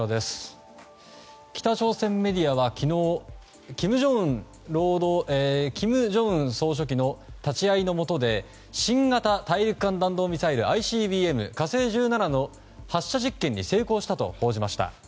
北朝鮮メディアは昨日金正恩総書記の立ち会いのもとで新型大陸間弾道ミサイルＩＣＢＭ「火星１７」の発射実験に成功したと報じました。